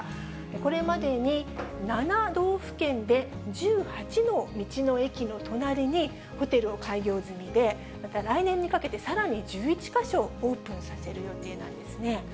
これまでに７道府県で１８の道の駅の隣にホテルを開業済みで、また来年にかけてさらに１１か所オープンさせる予定なんですね。